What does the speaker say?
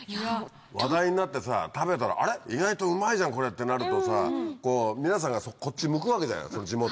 話題になってさ食べたら「あれ？意外とうまいじゃんこれ」ってなるとさ皆さんがこっち向くわけじゃないその地元。